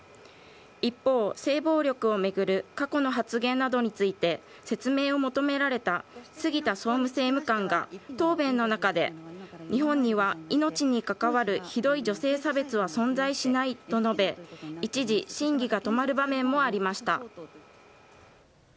一方、性暴力を巡る過去の発言などについて説明を求められた杉田総務政務官が答弁の中で日本には、命に関わるひどい女性差別は存在しないと述べ一時、審議が止まる場面もありました。